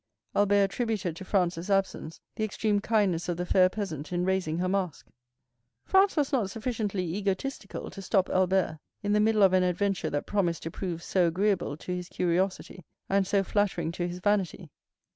Albert attributed to Franz's absence the extreme kindness of the fair peasant in raising her mask. Franz was not sufficiently egotistical to stop Albert in the middle of an adventure that promised to prove so agreeable to his curiosity and so flattering to his vanity.